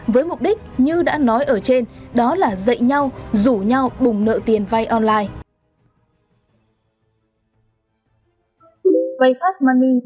với mục đích như đã nói ở trên đó là dạy nhau rủ nhau bùng nợ tiền vay online